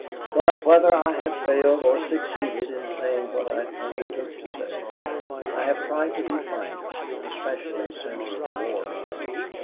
But, whether I have failed or succeeded in saying what I undertook to say, I have tried to be frank, especially since the war began.